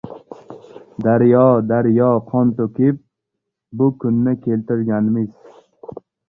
Daryo-daryo qon to‘kib, bu kunni keltirganmiz